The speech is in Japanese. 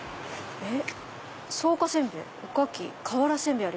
えっ？